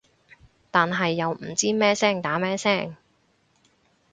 但係又唔知咩聲打咩聲